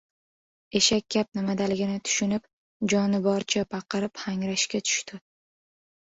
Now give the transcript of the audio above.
Eshak gap nimadaligini tushunib, joni boricha baqirib-hangrashga tushdi.